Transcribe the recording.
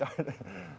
belum peaking kan